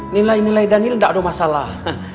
nilai nilai daniel tidak ada masalah